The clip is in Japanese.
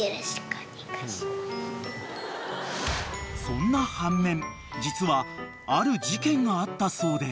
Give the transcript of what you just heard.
［そんな半面実はある事件があったそうで］